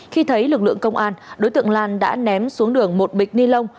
khi thấy lực lượng công an đối tượng lan đã ném xuống đường một bịch ni lông